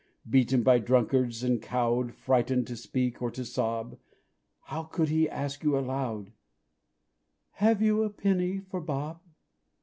Beaten by drunkards and cowed Frightened to speak or to sob How could he ask you aloud, "_Have you a penny for Bob?